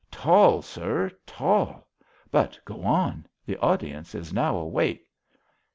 "Tall, sir, tall. But go on. The audience is now awake."